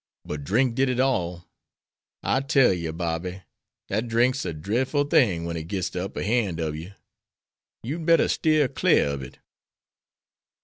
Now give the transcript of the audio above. But drink did it all. I tell you, Bobby, dat drink's a drefful thing wen it gits de upper han' ob you. You'd better steer clar ob it."